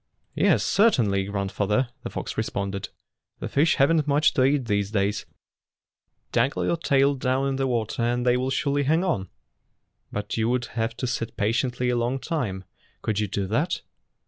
"Yes, certainly, grandfather," the fox responded. "The fish have n't much to eat these days. Dangle your tail down in the water and they will surely hang on. But 219 Fairy Tale Foxes you would have to sit patiently a long time. Could you do that?"